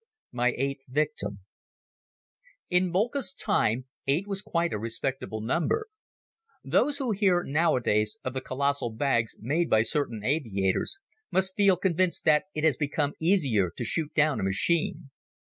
My Eighth Victim IN Boelcke's time eight was quite a respectable number. Those who hear nowadays of the colossal bags made by certain aviators must feel convinced that it has become easier to shoot down a machine.